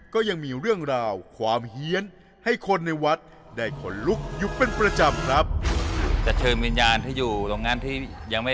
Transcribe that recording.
ก็ยังมีเรื่องราวความเฮียนให้คนในวัดได้ขนลุกอยู่เป็นประจำครับ